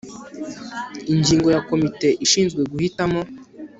Ingingo ya Komite ishinzwe guhitamo